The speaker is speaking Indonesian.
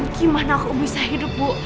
gimana aku bisa hidup bu